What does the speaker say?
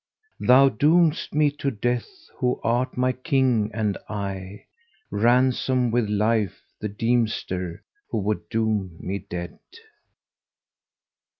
Thou doomest me to death who art my king, and I * Ransom with life the deemster who would doom me dead."